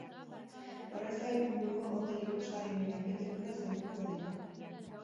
Horrez gain, munduko hotel ikusgarrienen arkitekturaz arituko dira.